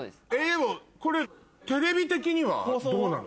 これテレビ的にはどうなの？